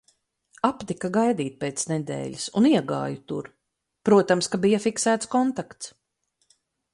Apnika gaidīt pēc nedēļas un iegāju tur, protams, ka bija fiksēts kontakts.